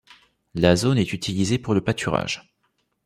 La zone est utilisée pour le pâturage.